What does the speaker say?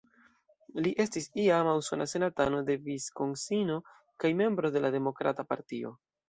Li estas iama usona senatano de Viskonsino kaj membro de la Demokrata Partio.